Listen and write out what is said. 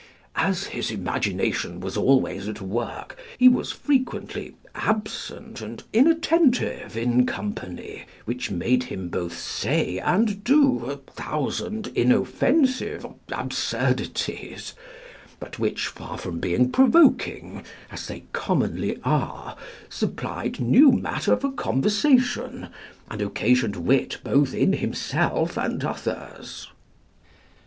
As his imagination was always at work, he was frequently absent and inattentive in company, which made him both say and do a thousand inoffensive absurdities; but which, far from being provoking, as they commonly are, supplied new matter for conversation, and occasioned wit both in himself and others."